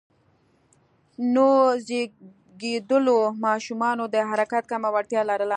نوو زېږیدليو ماشومان د حرکت کمه وړتیا لرله.